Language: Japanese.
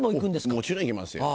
もちろん行きますよ。